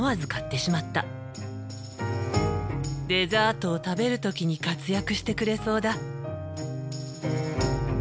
デザートを食べる時に活躍してくれそうだ。